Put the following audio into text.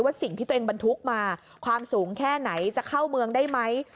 สิ่งที่ตัวเองบรรทุกมาความสูงแค่ไหนจะเข้าเมืองได้ไหม